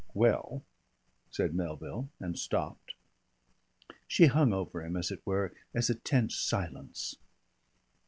"Well," said Melville and stopped. She hung over him as it were, as a tense silence.